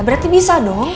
berarti bisa dong